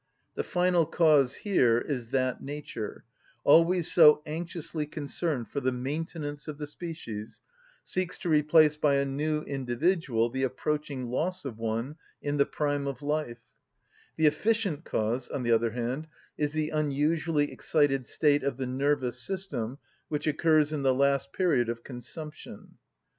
The final cause here is that nature, always so anxiously concerned for the maintenance of the species, seeks to replace by a new individual the approaching loss of one in the prime of life; the efficient cause, on the other hand, is the unusually excited state of the nervous system which occurs in the last period of consumption.